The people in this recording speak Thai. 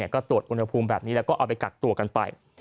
ก็ตรวจอุณหภูมิแบบนี้แล้วก็เอาไปกักตัวกันไป